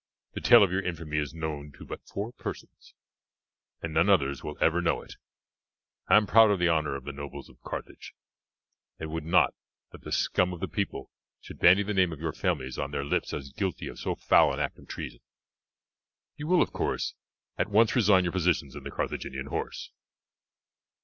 The tale of your infamy is known to but four persons, and none others will ever know it. I am proud of the honour of the nobles of Carthage, and would not that the scum of the people should bandy the name of your families on their lips as guilty of so foul an act of treason. You will, of course, at once resign your positions in the Carthaginian horse.